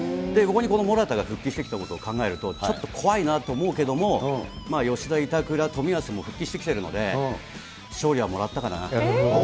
このモラタが復帰してきたことを考えると、ちょっと怖いなと思うけども、吉田、板倉、とみやすも復帰してきているので、勝利はもらったかなと。